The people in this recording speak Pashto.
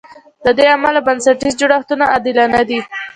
له دې امله بنسټیز جوړښتونه عادلانه دي.